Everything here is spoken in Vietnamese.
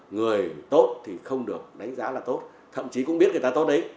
người tốt thì không được đánh giá là tốt thậm chí cũng biết người ta tốt đấy